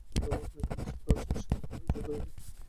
Mr Bloom, আপনাকে miss ক্রসের সাথে পরিচয় করিয়ে দেই।